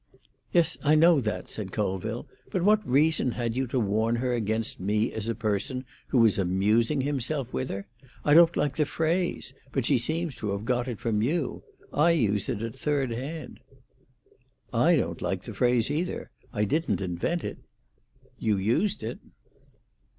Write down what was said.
"Yes, I know that," said Colville; "but what reason had you to warn her against me as a person who was amusing himself with her? I don't like the phrase; but she seems to have got it from you; I use it at third hand." "I don't like the phrase either; I didn't invent it." "You used it."